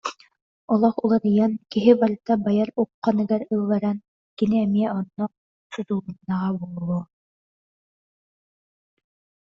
Олох уларыйан, киһи барыта байар ухханыгар ылларан кини эмиэ онно сутулуннаҕа буолуо